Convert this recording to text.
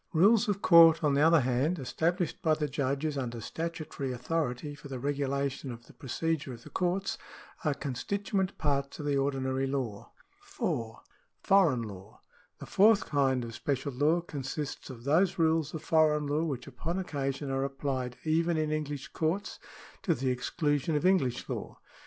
Rules of court, on the other hand, established by the judges under statutory authority for the regulation of the procedure of the courts, are constituent parts of the ordinary law. 4. Foreign laiv. — The fourth kind of special law consists of those rules of foreign law, which upon occasion are applied even in English courts to the exclusion of English law.